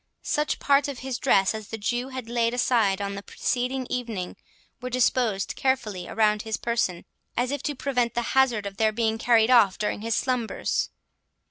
Such parts of his dress as the Jew had laid aside on the preceding evening, were disposed carefully around his person, as if to prevent the hazard of their being carried off during his slumbers.